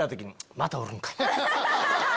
またおるんかい！